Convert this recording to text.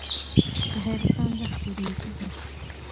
د حیرتان دښتې ریګي دي